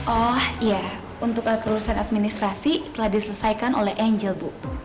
oh iya untuk kelulusan administrasi telah diselesaikan oleh angel bu